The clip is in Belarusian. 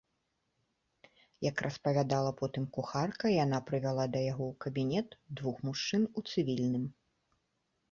Як распавядала потым кухарка, яна прывяла да яго ў кабінет двух мужчын у цывільным.